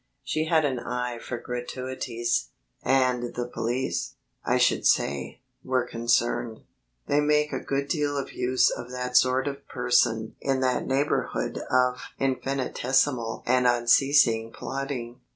She had an eye for gratuities and the police, I should say, were concerned. They make a good deal of use of that sort of person in that neighbourhood of infinitesimal and unceasing plotting.